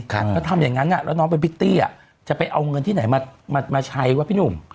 ถ้าทำอย่างนั้นแล้วน้องเป็นพิตตี้จะไปเอาเงินที่ไหนมาใช้วะพี่หนุ่ม